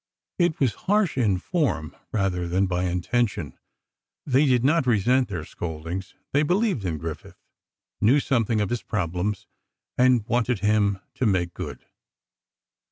It was harsh in form, rather than by intention. They did not resent these scoldings. They believed in Griffith, knew something of his problems, wanted him to make good.